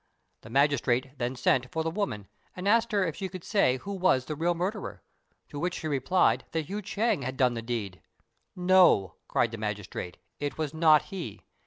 The magistrate then sent for the woman and asked her if she could say who was the real murderer; to which she replied that Hu Chêng had done the deed. "No!" cried the magistrate; "it was not he.